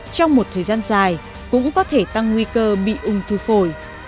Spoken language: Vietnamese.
trong một thời gian dài cũng có thể tăng nguy cơ bị ung thư phổi